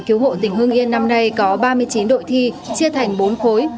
hội thao cứu hộ tỉnh hương yên năm nay có ba mươi chín đội thi chia thành bốn khối